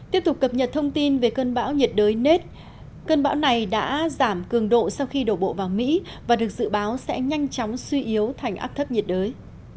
tiếp tục cập nhật thông tin về cơn bão nhiệt đới net cơn bão này đã giảm cường độ sau khi đổ bộ vào mỹ và được dự báo sẽ nhanh chóng suy yếu thành áp thấp nhiệt đới